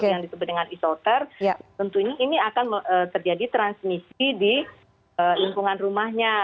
yang disebut dengan isoter tentunya ini akan terjadi transmisi di lingkungan rumahnya